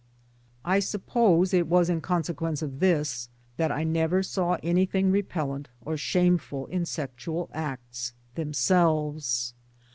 I suppose it was in consequence of this that I never saw anything repel lent or shameful in sexual acts themselves.